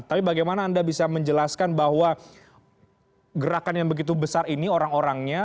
tapi bagaimana anda bisa menjelaskan bahwa gerakan yang begitu besar ini orang orangnya